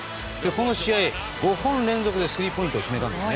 この試合、５本連続でスリーポイントを決めたんです。